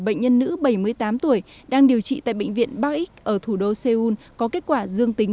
bệnh nhân nữ bảy mươi tám tuổi đang điều trị tại bệnh viện bắc ích ở thủ đô seoul có kết quả dương tính